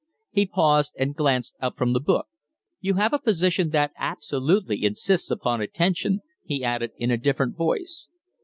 He paused and glanced up from the book. "You have a position that absolutely insists upon attention," he added, in a different voice.